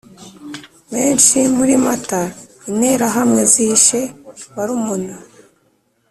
menshi. muri mata interahamwe zishe barumuna